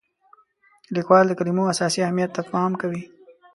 لیکوال د کلمو اساسي اهمیت ته پام کوي.